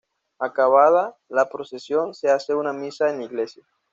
Acabada la procesión se hace una misa en la iglesia.